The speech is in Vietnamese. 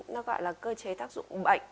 nó gọi là cơ chế tác dụng bệnh